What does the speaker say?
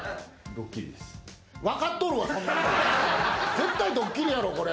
絶対ドッキリやろこれ。